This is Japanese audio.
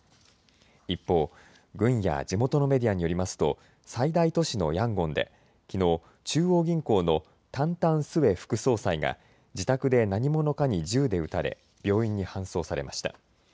一方、軍や地元のメディアによりますと最大都市のヤンゴンできのう中央銀行のタン・タン・スウェ副総裁が自宅で何者かに銃で撃たれ病院に搬送されました。